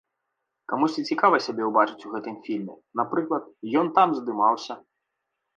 Камусьці цікава сябе ўбачыць у гэтым фільме, напрыклад, ён там здымаўся.